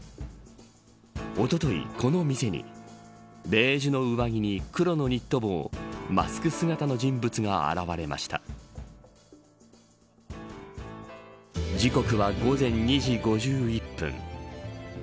おととい、この店にベージュの上着に黒のニット帽マスク姿の人物が現れました時刻は午前２時５１分。